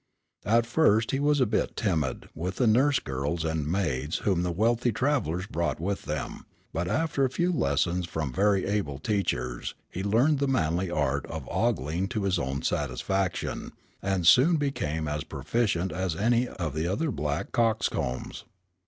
At first he was a bit timid with the nurse girls and maids whom the wealthy travelers brought with them, but after a few lessons from very able teachers, he learned the manly art of ogling to his own satisfaction, and soon became as proficient as any of the other black coxcombs.